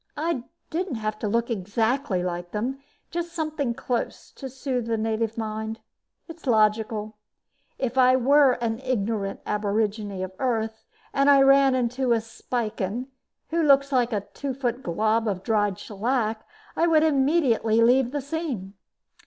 I didn't have to look exactly like them, just something close, to soothe the native mind. It's logical. If I were an ignorant aborigine of Earth and I ran into a Spican, who looks like a two foot gob of dried shellac, I would immediately leave the scene.